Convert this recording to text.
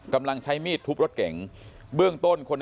กำลังใช้มีดทุบรถเก่ง